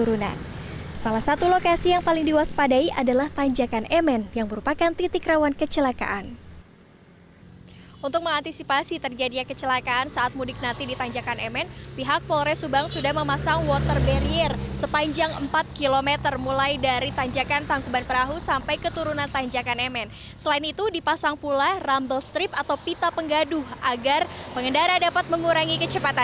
untuk angkutan pemudik rata rata memang melewati